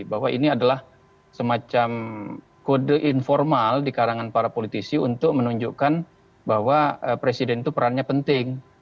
bahwa ini adalah semacam kode informal di karangan para politisi untuk menunjukkan bahwa presiden itu perannya penting